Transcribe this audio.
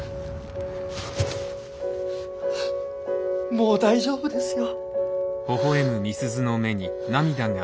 もう大丈夫ですよ。